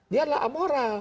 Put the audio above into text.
dia adalah amoral